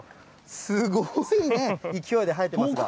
すごいね、勢いで生えてますが。